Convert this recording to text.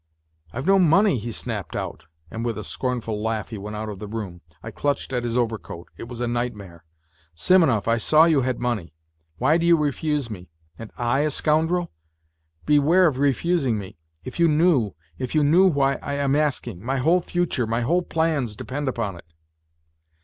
"I've no money," he snapped out, and with a scornful laugh he went out of the room. I clutched at his overcoat. It was a nightmare. " Simonov, I saw you had money. Why do you refuse me ? And I a scoundrel ? Beware of refusing me : if you knew, if you knew why I am asking ! My whole future, my whole plans depend upon it